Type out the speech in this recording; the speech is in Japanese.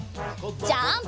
ジャンプ！